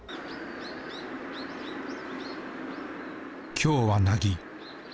今日は凪。